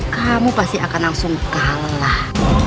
kamu pasti akan langsung kalah